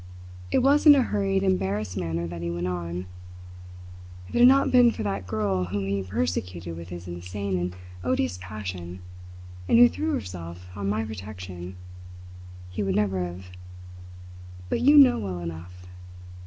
It was in a hurried, embarrassed manner that he went on: "If it had not been for that girl whom he persecuted with his insane and odious passion, and who threw herself on my protection, he would never have but you know well enough!"